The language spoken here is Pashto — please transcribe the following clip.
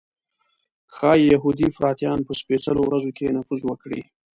ښایي یهودي افراطیان په سپېڅلو ورځو کې نفوذ وکړي.